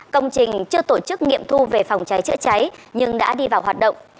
công trình chưa tổ chức nghiệm thu về phòng cháy chữa cháy nhưng đã đi vào hoạt động